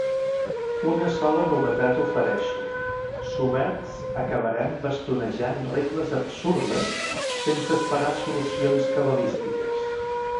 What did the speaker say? Una sola novetat ofereixo: sobergs acabarem bastonejant regles absurdes sense esperar solucions cabalístiques.